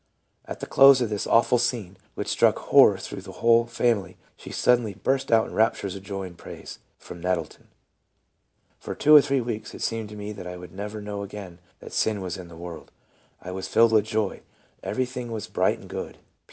"At the close of this awful scene which struck horror through the whole fam ily, she suddenly burst out in raptures of joy and praise." — Prom Nettleton. '' For two or three weeks it seemed to me that I would never know again that sin was in the world. I was filled with joy; everything was bright and good."